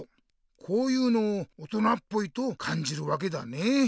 こういうのを「大人っぽい」とかんじるわけだね。